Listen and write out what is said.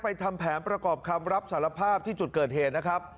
ทำแผนประกอบคำรับสารภาพที่จุดเกิดเหตุนะครับ